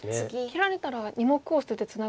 切られたら２目を捨ててツナがりにいく？